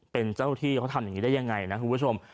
เป็นเจ้าที่เขาทำอย่างนี้ได้ยังไงนะคุณผู้ชม